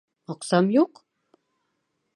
Аҡсам юҡ?